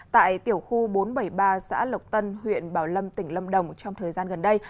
tại tiểu khu bốn trăm bảy mươi ba xã lộc tân huyện bảo lâm tỉnh lâm đồng trong thời gian gần đây